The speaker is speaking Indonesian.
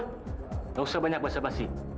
nggak usah banyak basa basi